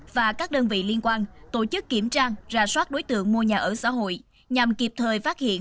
và các đơn vị liên quan tổ chức kiểm tra ra soát đối tượng mua nhà ở xã hội nhằm kịp thời phát hiện